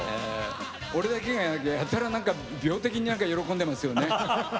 俺だけがやたら病的に喜んでいますよね。